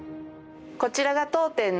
こちらが当店の。